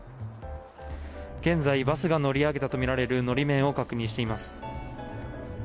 現在バスが乗り上げたとみられる法面を確認しています。